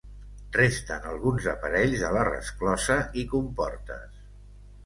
Resten alguns aparells de la resclosa i comportes.